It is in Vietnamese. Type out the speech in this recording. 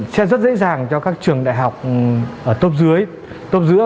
sẽ rất dễ dàng cho các trường đại học tốt dưới tốt giữa